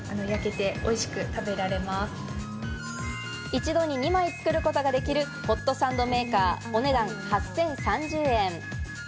一度に２枚作ることができるホットサンドメーカー、お値段８０３０円。